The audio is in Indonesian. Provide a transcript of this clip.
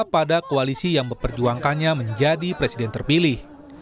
pada koalisi yang memperjuangkannya menjadi presiden terpilih